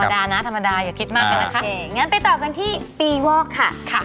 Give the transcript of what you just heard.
งั้นไปเติบกันที่ปีว่อค่ะ